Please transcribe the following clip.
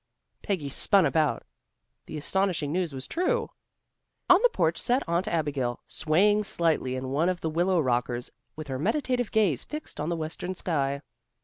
Peggy spun about. The astonishing news was true. On the porch sat Aunt Abigail, swaying slightly in one of the willow rockers, with her meditative gaze fixed on the western sky.